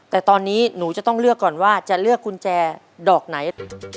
แต่ตอนนี้หนูจะต้องเลือกก่อนว่าจะเลือกกุญแจดอกไหน